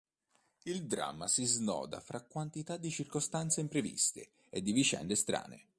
Il dramma si snoda fra quantità di circostanze impreviste e di vicende strane.